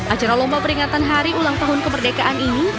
acara lomba peringatan hari ulang tahun kemerdekaan ini